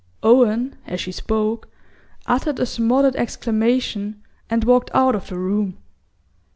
Owen, as she spoke, uttered a smothered exclamation and walked out of the room.